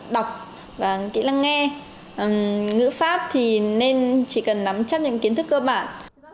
đọc và kỹ năng nghe ngữ pháp thì nên chỉ cần nắm chắc những kiến thức cơ bản